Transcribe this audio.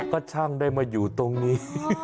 ก็ช่างได้มาอยู่ตรงนี้